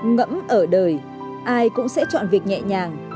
ngẫm ở đời ai cũng sẽ chọn việc nhẹ nhàng